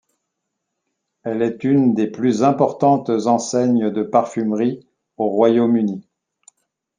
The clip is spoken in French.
Elle est une des plus importantes enseignes de parfumeries au Royaume-Uni.